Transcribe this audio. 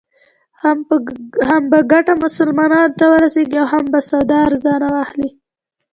هم به ګټه مسلمانانو ته ورسېږي او هم به سودا ارزانه واخلې.